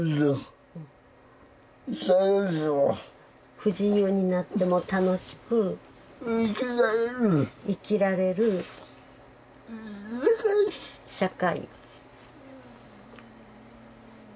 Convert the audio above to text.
「不自由になっても楽しく」「生きられる」「社会」